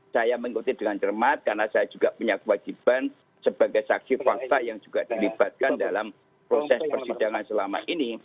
saya mengikuti dengan cermat karena saya juga punya kewajiban sebagai saksi fakta yang juga dilibatkan dalam proses persidangan selama ini